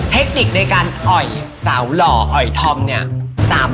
เทคนิคในการอ่อยสาวหล่ออ่อยธอมเนี่ย